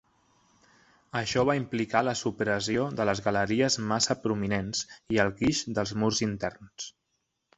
Això va implicar la supressió de les galeries massa prominents i el guix dels murs interns.